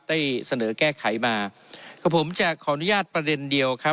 ได้เสนอแก้ไขมาก็ผมจะขออนุญาตประเด็นเดียวครับ